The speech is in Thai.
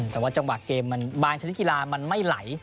แต่ว่าจังหวะเกมมันบางชนิดกีฬามันไม่ไหล